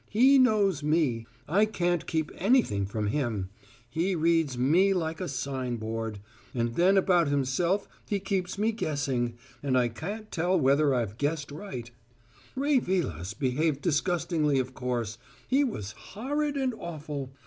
He knows me. I can't keep anything from him; he reads me like a signboard; and then about himself he keeps me guessing, and I can't tell when I've guessed right. Ray Vilas behaved disgustingly, of course; he was horrid and awful.